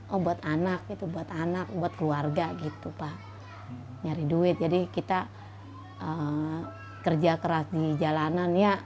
obat anak itu buat anak buat keluarga gitu pak nyari duit jadi kita kerja keras di jalanannya